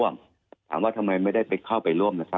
และทำไมไม่ได้เข้าไปร่วมนะครับ